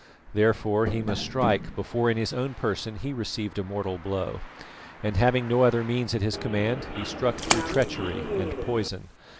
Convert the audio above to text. Therefore he must strike before in his own person he received a mortal blow, and having no other means at his command, he struck through treachery and poison.